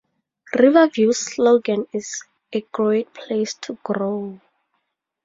Riverview's slogan is "A Great Place To Grow".